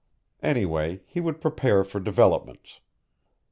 Anyway, he would prepare for developments.